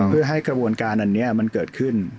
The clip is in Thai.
เพื่อให้กระบวนการอันนี้มันเกิดขึ้น